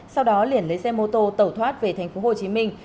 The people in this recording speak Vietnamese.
sau đó liền lấy xe mô tô tẩu thoát về thành phố hồ chí minh